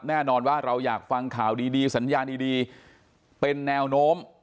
แน่นอนว่าเราอยากฟังข่าวดีสัญญาณดีเป็นแนวโน้ม